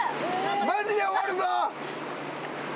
マジで終わるぞ。